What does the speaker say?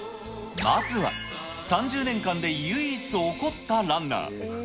まずは、３０年間で唯一怒ったランナー。